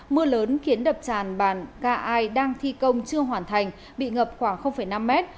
mưa lớn khiến đập tràn bản ca ai đang thi công chưa hoàn thành bị ngập khoảng năm mét